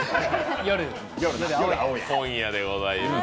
今夜でございます。